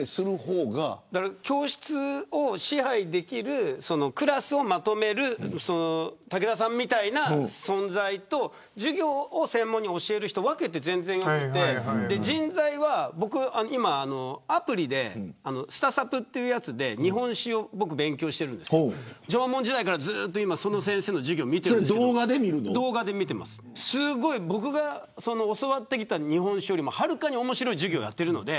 教室を支配できるクラスをまとめる武田さんみたいな存在と授業を専門に教える人は分けてよくて人材は、僕今アプリでスタサプというやつで日本史を勉強してるんですけど縄文時代からずっとその先生の授業を見ていて動画で見てるんですけど僕が教わってきた日本史よりはるかに面白い授業をやっているので。